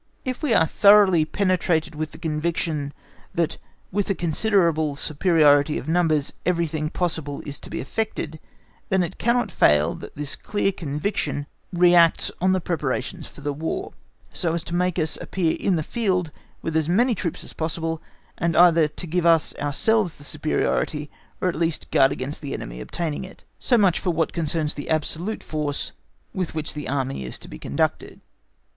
If we are thoroughly penetrated with the conviction that with a considerable superiority of numbers everything possible is to be effected, then it cannot fail that this clear conviction reacts on the preparations for the War, so as to make us appear in the field with as many troops as possible, and either to give us ourselves the superiority, or at least to guard against the enemy obtaining it. So much for what concerns the absolute force with which the War is to be conducted.